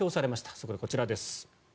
そこでこちらです。